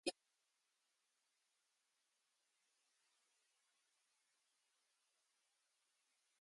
RailAmerica controlled the following railroads.